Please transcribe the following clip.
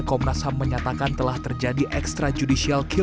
komnas ham menyatakan telah terjadi extrajudicial